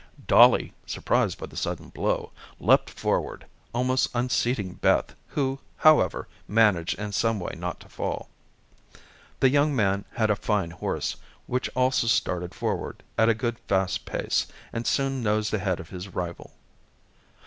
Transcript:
Dollie, surprised by the sudden blow, leaped forward, almost unseating Beth who, however, managed in some way not to fall. The young man had a fine horse which also started forward at a good fast pace, and soon nosed ahead of his rival.